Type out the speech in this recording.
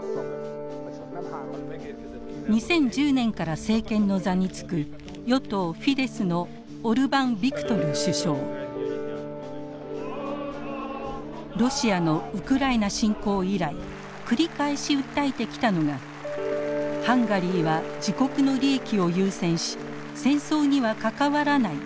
２０１０年から政権の座に就くロシアのウクライナ侵攻以来繰り返し訴えてきたのがハンガリーは自国の利益を優先し戦争には関わらない